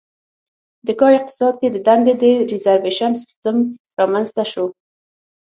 د کا اقتصاد کې د دندې د ریزروېشن سیستم رامنځته شو.